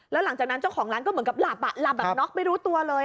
แล้วหลังจากนั้นเจ้าของร้านก็เหมือนกับหลับหลับแบบน็อกไม่รู้ตัวเลย